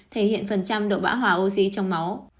thể hiện phần trăm độ bã hỏa oxy trong máu